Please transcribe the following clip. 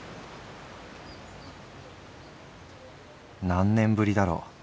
「何年ぶりだろう。